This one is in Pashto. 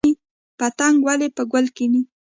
پتنګ ولې په ګل کیني؟